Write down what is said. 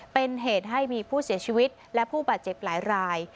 เป็นเหตุให้มีผู้เสียชีวิตและผู้บาดเจ็บหลายราย